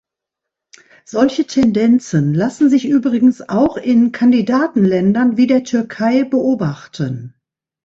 Solche Tendenzen lassen sich übrigens auch in Kandidatenländern wie der Türkei beobachten.